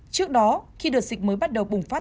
trước đó khi đợt dịch mới bắt đầu bùng phát